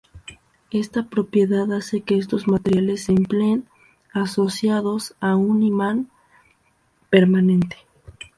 Esta propiedad hace que estos materiales se empleen asociados a un imán permanente.